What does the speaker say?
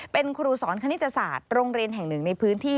เป็นครูสอนคณิตศาสตร์โรงเรียนแห่งหนึ่งในพื้นที่